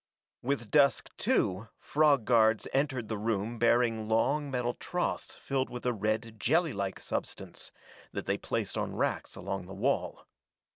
With dusk, too, frog guards entered the room bearing long metal troughs filled with a red jellylike substance, that they placed on racks along the wall.